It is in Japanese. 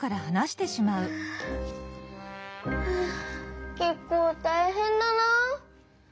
ふっけっこうたいへんだな。